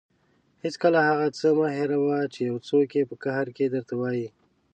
هېڅکله هغه څه مه هېروه چې یو څوک یې په قهر کې درته وايي.